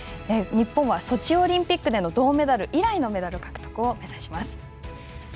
日本はソチオリンピック以来のメダル獲得を目指します。